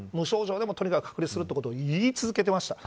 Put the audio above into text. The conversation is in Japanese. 無症状でも、とにかく隔離すると言い続けてきました。